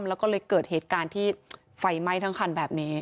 แล้วก็เลยเกิดเหตุการณ์ที่ไฟไหม้ทั้งคันแบบนี้